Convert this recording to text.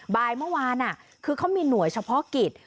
บ่ายเมื่อวานคือเขามีหน่วยเฉพาะกิจ